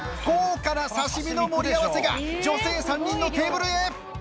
豪華な刺身の盛り合わせが女性３人のテーブルへ。